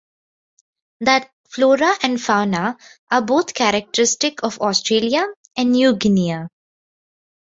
The flora and fauna are both characteristic of Australia and New Guinea.